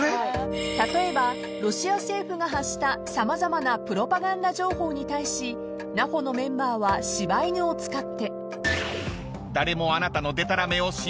［例えばロシア政府が発した様々なプロパガンダ情報に対しＮＡＦＯのメンバーは柴犬を使って］